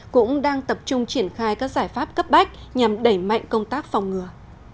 cũng đang tập trung triển khai các giải pháp cấp bách nhằm đẩy mạnh công tác phòng ngừa